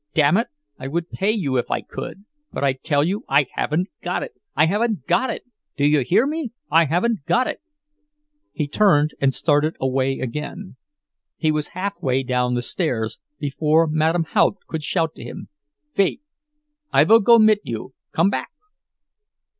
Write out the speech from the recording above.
Damn it, I would pay you if I could, but I tell you I haven't got it. I haven't got it! Do you hear me—I haven't got it!" He turned and started away again. He was halfway down the stairs before Madame Haupt could shout to him: "Vait! I vill go mit you! Come back!"